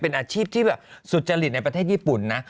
เป็นอาชีพที่แบบสุจริตในประเทศญี่ปุ่นนะ